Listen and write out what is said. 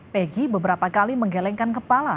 peggy beberapa kali menggelengkan kepala